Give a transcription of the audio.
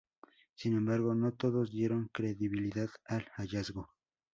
Sin embargo no todos dieron credibilidad al hallazgo.